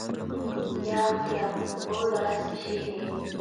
ياق، ياق، بۇ راست ئىش ئىدى.